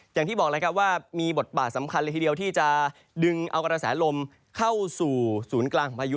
อย่างที่บอกเลยครับว่ามีบทบาทสำคัญเลยทีเดียวที่จะดึงเอากระแสลมเข้าสู่ศูนย์กลางของพายุ